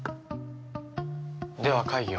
では会議を。